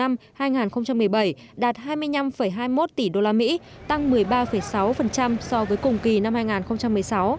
giá trị nhập khẩu nông lâm thủy sản trong một mươi một tháng đầu năm hai nghìn một mươi bảy đạt hai mươi năm hai mươi năm tỷ đô la mỹ tăng một mươi ba sáu so với cùng kỳ năm hai nghìn một mươi sáu